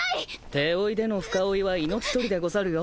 手負いでの深追いは命取りでござるよ。